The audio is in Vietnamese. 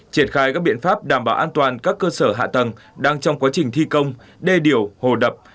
triển khai các biện pháp đảm bảo an toàn các cơ sở hạ tầng đang trong quá trình thi công đê điều hồ đập